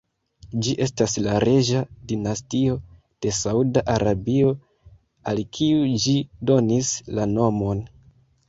Ĝi estas la reĝa dinastio de Sauda Arabio, al kiu ĝi donis la nomon.